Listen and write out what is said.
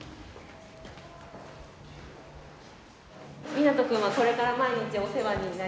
みなと君はこれから毎日お世話になります。